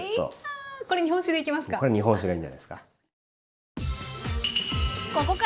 これ日本酒でいきますか。